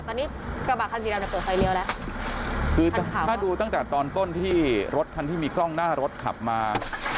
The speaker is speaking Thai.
ตอนนี้กระบะคันสีดำเนี่ยเปิดไฟเลี้ยวแล้วคือถ้าดูตั้งแต่ตอนต้นที่รถคันที่มีกล้องหน้ารถขับมา